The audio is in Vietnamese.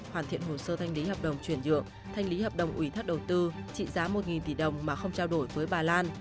hoàn thiện hồ sơ thanh lý hợp đồng chuyển nhượng thanh lý hợp đồng ủy thác đầu tư trị giá một tỷ đồng mà không trao đổi với bà lan